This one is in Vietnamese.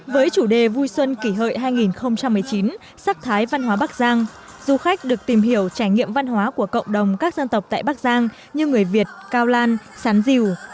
với chủ đề vui xuân kỷ hợi hai nghìn một mươi chín sắc thái văn hóa bắc giang du khách được tìm hiểu trải nghiệm văn hóa của cộng đồng các dân tộc tại bắc giang như người việt cao lan sán diều